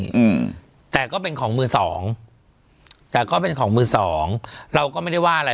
อืมแต่ก็เป็นของมือสองแต่ก็เป็นของมือสองเราก็ไม่ได้ว่าอะไร